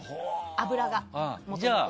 脂が。